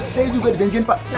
saya juga ada janjian pak